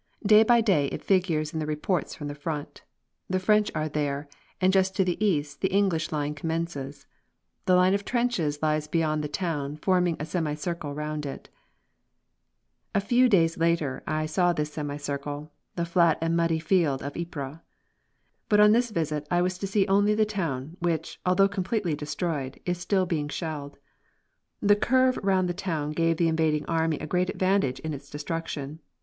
Day by day it figures in the reports from the front. The French are there, and just to the east the English line commences.[D] The line of trenches lies beyond the town, forming a semicircle round it. [Footnote D: Written in May, 1915.] A few days later I saw this semicircle, the flat and muddy battlefield of Ypres. But on this visit I was to see only the town, which, although completely destroyed, was still being shelled. The curve round the town gave the invading army a great advantage in its destruction.